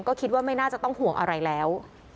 ก็คิดว่าไม่น่าจะต้องห่วงอะไรแล้ว